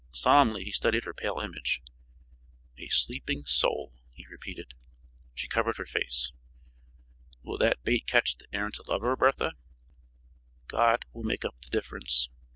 Solemnly he studied her pale image. "A sleeping soul!" he repeated. She covered her face. "Will that bait catch the errant lover, Bertha?" "God will make up the difference."